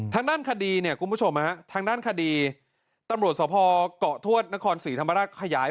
ทางด้านคดีเนี่ยคุณผู้ชมฮะทางด้านคดีตำรวจสภเกาะทวดนครศรีธรรมราชขยาย